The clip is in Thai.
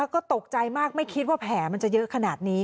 ก็ตกใจมากไม่คิดว่าแผลมันจะเยอะขนาดนี้